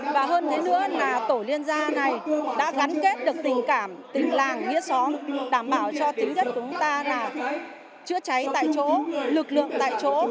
và hơn thế nữa là tổ liên gia này đã gắn kết được tình cảm tình làng nghĩa xóm đảm bảo cho tính nhất của chúng ta là chữa cháy tại chỗ lực lượng tại chỗ